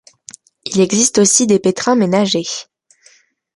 Il existe aussi des pétrins ménagers.